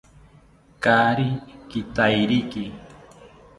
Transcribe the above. Kaari kitairiki